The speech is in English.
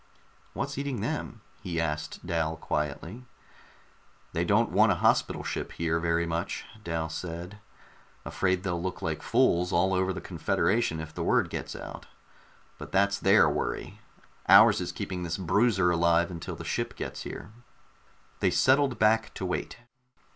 "What's eating them?" he asked Dal quietly. "They don't want a hospital ship here very much," Dal said. "Afraid they'll look like fools all over the Confederation if the word gets out. But that's their worry. Ours is to keep this bruiser alive until the ship gets here." They settled back to wait.